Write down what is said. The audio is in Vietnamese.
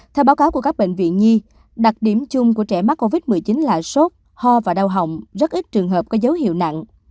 theo báo cáo của các bệnh viện nhi đặc điểm chung của trẻ mắc covid một mươi chín là sốt ho và đau hỏng rất ít trường hợp có dấu hiệu nặng